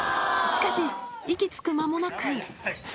しかし、息つく間もなく。